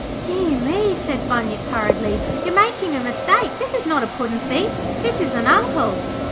'Dear me,' said Bunyip, hurriedly, 'you are making a mistake. This is not a puddin' thief, this is an Uncle.'